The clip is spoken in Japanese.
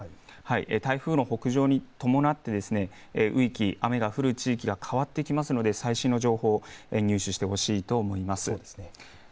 台風の北上に伴って雨が降る地域が変わっていきますので最新の情報を入手してほしいと思います。